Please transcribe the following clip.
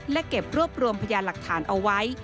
และเก็บรวบรวมพยานหลักฐานเอาไว้